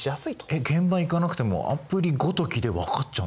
えっ現場行かなくてもアプリごときで分かっちゃうんですか？